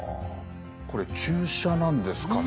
これ注射なんですかね。